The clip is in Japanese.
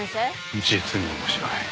「実に面白い」